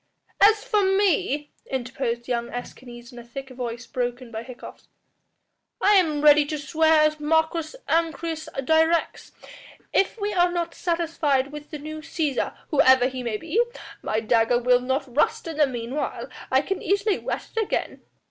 "As for me," interposed young Escanes in a thick voice broken by hiccoughs, "I am ready to swear as Marcus Ancyrus directs. If we are not satisfied with the new Cæsar, whoever he may be, my dagger will not rust in the meanwhile; I can easily whet it again."